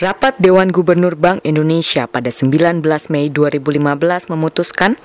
rapat dewan gubernur bank indonesia pada sembilan belas mei dua ribu lima belas memutuskan